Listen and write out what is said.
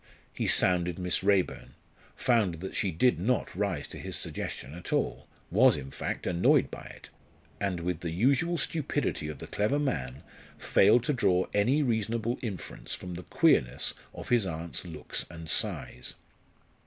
He sounded Miss Raeburn; found that she did not rise to his suggestion at all was, in fact, annoyed by it and with the usual stupidity of the clever man failed to draw any reasonable inference from the queerness of his aunt's looks and sighs.